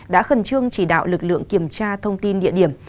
đã khẩn trương chỉ đạo lực lượng kiểm tra thông tin địa điểm